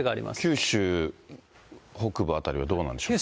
九州北部辺りはどうなんでしょうか。